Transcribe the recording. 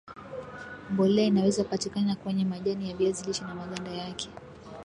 mbolea inaweza patikana kwenye majani ya viazi lishe na maganda yake